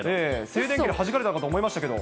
静電気ではじかれたかと思いましたけど。